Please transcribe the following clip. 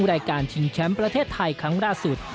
รายการชิงแชมป์ประเทศไทยครั้งล่าสุด